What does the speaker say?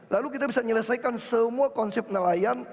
lalu kita bisa menyelesaikan semua konsep nelayan